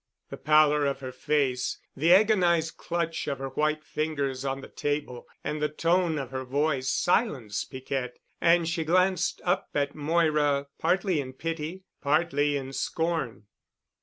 The pallor of her face, the agonized clutch of her white fingers on the table and the tone of her voice silenced Piquette, and she glanced up at Moira partly in pity, partly in scorn.